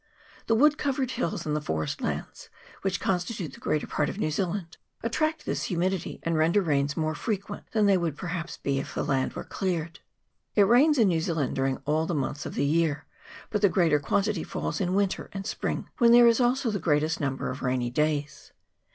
The wood covered hills and the forest lands, which constitute the greater part of New Zealand, attract this humidity, and render rains more frequent than they would perhaps be if the land were cleared. It rains in New Zealand during all the months of the year, but the greater quantity falls in winter and spring, when there is also the greatest number of rainy days.